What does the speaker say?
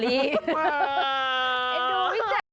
ว้าว